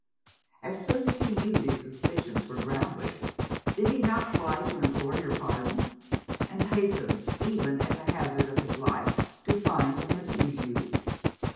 As soon as he knew these suspicions were groundless, did he not fly to implore your pardon; and hasten, even at the hazard of his life, to find and appease you?